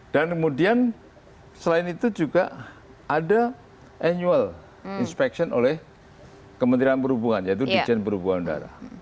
kemudian selain itu juga ada annual inspection oleh kementerian perhubungan yaitu dijen perhubungan darat